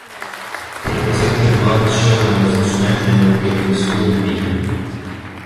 Representative Lawrence Sherman was instrumental in locating the school in Macomb.